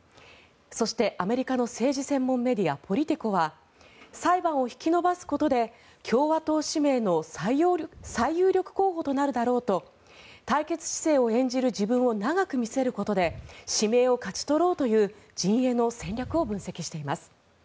そして、アメリカの政治専門メディア、ポリティコは裁判を引き延ばすことで共和党指名の最有力候補となるだろうと対決姿勢を演じる自分を長く見せることで指名を勝ち取ろうという陣営の戦略を分析しています。